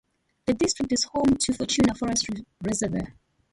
The district is home to Fortuna Forest Reserve.